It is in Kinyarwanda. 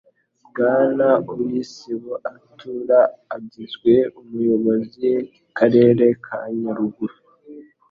Bwana UWISIBO Arthur agizwe Umuyoboziwa karere ka nyaruguru